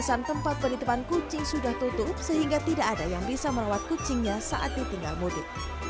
kawasan tempat penitipan kucing sudah tutup sehingga tidak ada yang bisa merawat kucingnya saat ditinggal mudik